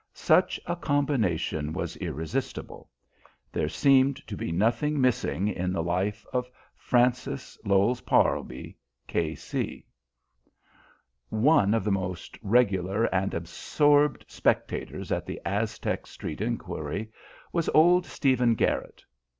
Such a combination was irresistible. There seemed to be nothing missing in the life of Francis Lowes Parlby, K.C. One of the most regular and absorbed spectators at the Aztec Street inquiry was old Stephen Garrit.